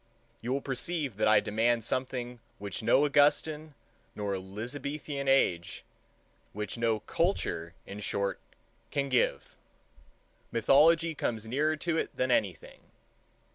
You will perceive that I demand something which no Augustan nor Elizabethan age, which no culture, in short, can give. Mythology comes nearer to it than anything.